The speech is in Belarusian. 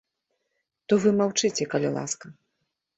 То вы маўчыце, калі ласка!